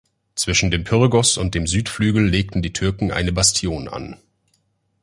Zwischen dem Pyrgos und dem Südflügel legten die Türken eine Bastion an.